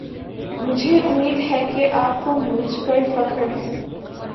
مجھے اُمّید ہے کی اپ کو مجھ پر فخر ہے۔